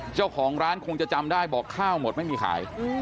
เจ้าของร้านคงจะจำได้บอกข้าวหมดไม่มีขาย